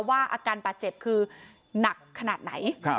อาการบาดเจ็บคือหนักขนาดไหน